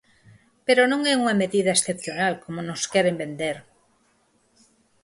Pero non é unha medida excepcional, como nos queren vender.